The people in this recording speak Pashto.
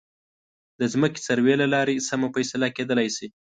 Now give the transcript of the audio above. د ځمکې سروې له لارې سمه فیصله کېدلی شي.